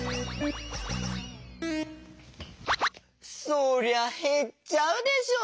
そりゃへっちゃうでしょ。